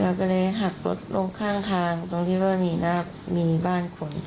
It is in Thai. เราก็เลยหักรถลงข้างทางตรงที่มีบ้านขวน